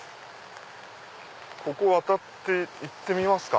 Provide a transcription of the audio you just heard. ここ渡って行ってみますか。